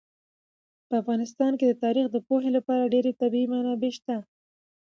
په افغانستان کې د تاریخ د پوهې لپاره ډېرې طبیعي منابع شته دي.